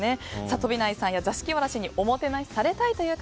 飛内さんや座敷わらしにおもてなしされたいという方